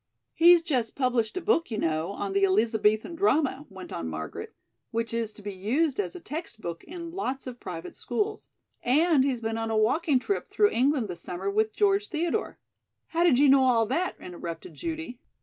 "He's just published a book, you know, on the 'Elizabethan Drama,'" went on Margaret, "which is to be used as a text book in lots of private schools. And he's been on a walking trip through England this summer with George Theodore " "How did you know all that?" interrupted Judy.